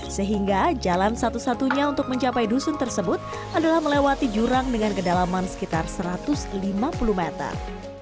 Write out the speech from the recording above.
sehingga jalan satu satunya untuk mencapai dusun tersebut adalah melewati jurang dengan kedalaman sekitar satu ratus lima puluh meter